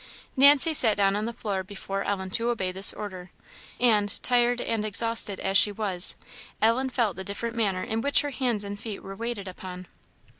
Nancy sat down on the floor before Ellen to obey this order; and, tired and exhausted as she was, Ellen felt the different manner in which her hands and feet were waited upon.